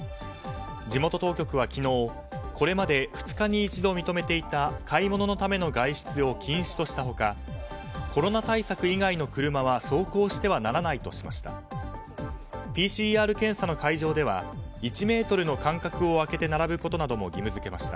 地元当局は、昨日これまで２日に１度認めていた買い物のための外出を禁止とした他コロナ対策以外の車は走行してはならないとしました。